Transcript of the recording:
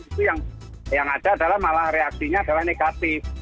itu yang ada adalah malah reaksinya adalah negatif